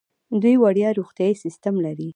دوی وړیا روغتیايي سیستم لري.